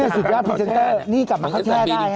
สุดยอดผิดแช่นี่กลับมาข้าวแช่ได้